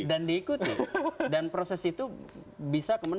dan diikuti dan proses itu bisa kemudian